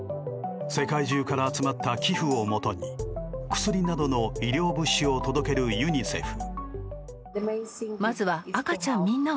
世界中から集まった寄付をもとに薬などの医療物資を届けるユニセフ。